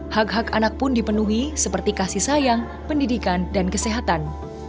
hak hak anak pun dipenuhi seperti kasih sayang pendidikan dan kesehatan